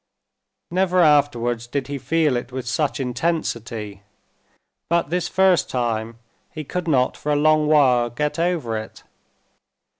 Never afterwards did he feel it with such intensity, but this first time he could not for a long while get over it.